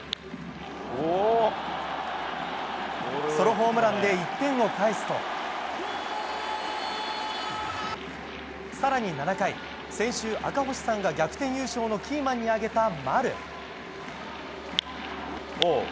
ソロホームランで１点を返すと更に７回先週、赤星さんが逆転優勝のキーマンに挙げた丸。